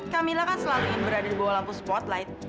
kamila kan selalu ingin berada di bawah lampu spotlight